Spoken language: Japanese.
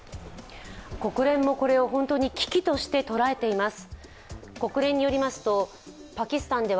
国連も、これを本当に危機として捉えています。